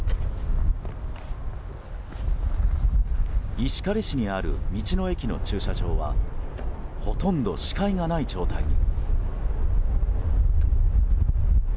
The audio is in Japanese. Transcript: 石狩市にある道の駅の駐車場はほとんど視界がない状態に。